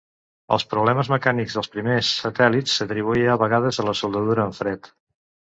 Els problemes mecànics dels primers satèl·lits s'atribuïa a vegades a la soldadura en fred.